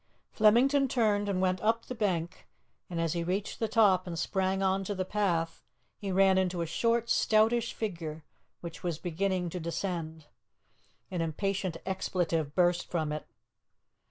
Flemington turned and went up the bank, and as he reached the top and sprang on to the path he ran into a short, stoutish figure which was beginning to descend. An impatient expletive burst from it.